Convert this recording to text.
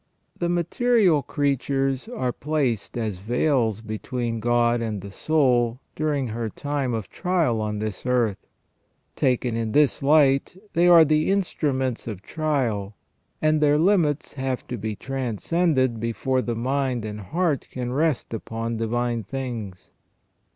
The material creatures are placed as veils between God and the soul during her time of trial on this earth. Taken in this light, they are the instruments of trial ; and their limits have to be transcended before the mind and heart can rest upon divine things.